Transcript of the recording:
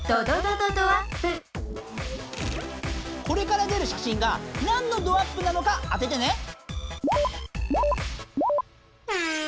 これから出る写真がなんのドアップなのか当ててね。